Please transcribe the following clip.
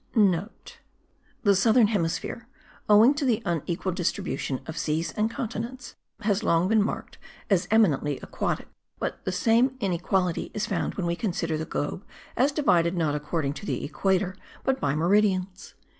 (* The southern hemisphere, owing to the unequal distribution of seas and continents, has long been marked as eminently aquatic; but the same inequality is found when we consider the globe as divided not according to the equator but by meridians.